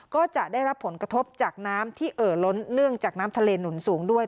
ก็จะได้รับผลกระทบจากน้ำที่เอ่อล้นเนื่องจากน้ำทะเลหนุนสูงด้วย